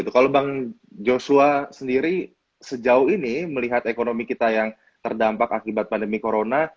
kalau bang joshua sendiri sejauh ini melihat ekonomi kita yang terdampak akibat pandemi corona